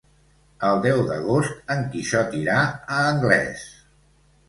El deu d'agost en Quixot irà a Anglès.